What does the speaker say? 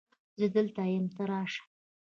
زه دلته یم ته راشه